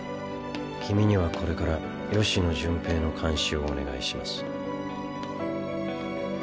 君にはこれから吉野順平の監視をお願いします。